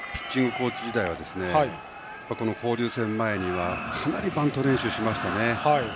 コーチ時代は交流戦前にはかなりバント練習をしましたね。